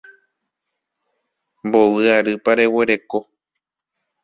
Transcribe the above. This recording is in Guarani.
Mbovy arýpa reguereko.